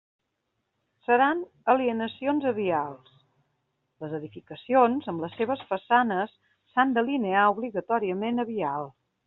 Seran alineacions a vials, les edificacions, amb les seves façanes, s'han d'alinear obligatòriament a vial.